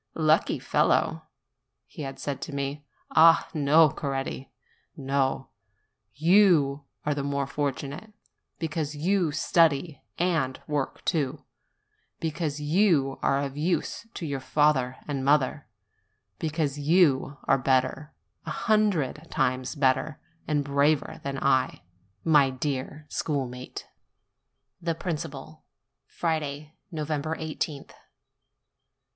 "Lucky fellow!" he had said to me. Ah, no, Coretti, no; you are the more fortunate, because you study and work too; because you are of use to your father and your mother; because you are better a hundred times better and braver than I, my dear schoolmate ! THE PRINCIPAL Friday, i8th.